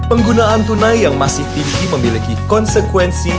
penggunaan tunai yang masih tinggi memiliki konsekuensi